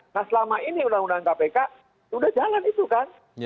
nah selama ini undang undang kpk sudah jalan itu kan